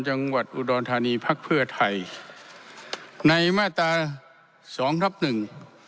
จังหวัดอุดรธานีพักเพื่อไทยในมาตราสองทับหนึ่ง